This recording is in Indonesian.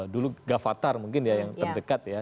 dulu gavatar mungkin ya yang terdekat ya